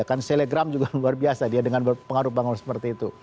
ya kan selegram juga luar biasa dia dengan pengaruh bangunan seperti itu